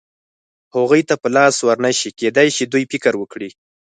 هغوی ته په لاس ور نه شي، کېدای شي دوی فکر وکړي.